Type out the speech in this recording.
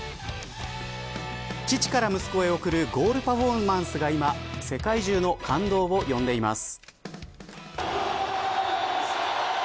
父から息子へ送るゴールパフォーマンスが今世界中の感動を呼んでいます。